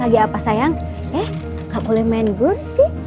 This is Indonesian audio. lagi apa sayang eh gak boleh main buntik